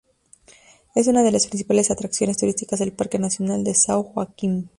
Es una de las principales atracciones turísticas del Parque nacional de São Joaquim.